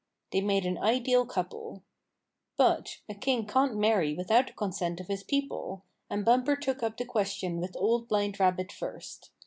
They made an ideal couple. But a king can't marry without the con sent of his people, and Bumper took up the ques tion with Old Blind Rabbit first.